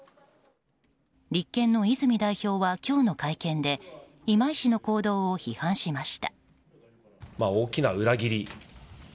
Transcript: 立憲の泉代表は今日の会見で今井氏の行動を批判しました。